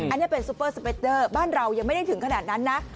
อันนี้เป็นซูเปอร์สเปคเดอร์บ้านเรายังไม่ได้ถึงขนาดนั้นนะ